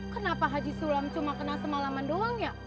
kenapa haji sulam cuma kenal semalaman doang ya